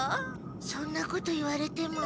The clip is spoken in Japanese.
そんなこと言われても。